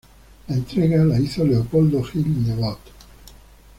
La entrega la hizo Leopoldo Gil Nebot.